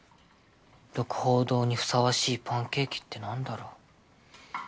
鹿楓堂にふさわしいパンケーキってなんだろう？